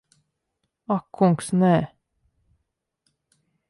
Ak kungs, nē.